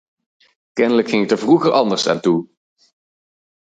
Kennelijk ging het er vroeger anders aan toe.